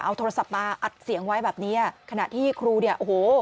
เอาโทรศัพท์มาอัดเสียงไว้แบบเนี้ยขณะที่ครูเนี่ยโอ้โห